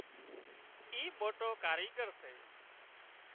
اي موٽو ڪاريڳر سي